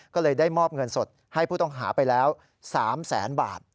ก็เลยได้มอบเงินสดให้ผู้ต้องหาไปแล้ว๓แสนบาท